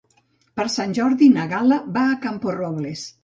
Per Sant Jordi na Gal·la va a Camporrobles.